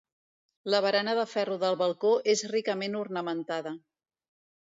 La barana de ferro del balcó és ricament ornamentada.